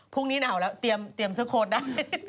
พรุ่งนี้หนาวแล้วเตรียมเสื้อโค้ดได้